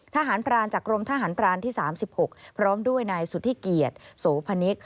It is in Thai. ทหารพรานจากกรมทหารพรานที่๓๖พร้อมด้วยนายสุธิเกียรติโสพนิก